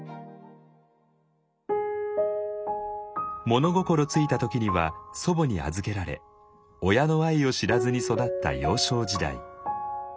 物心付いた時には祖母に預けられ親の愛を知らずに育った幼少時代。